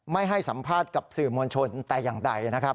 ไม่ให้สัมภาษณ์กับสื่อมวลชนแต่อย่างใดนะครับ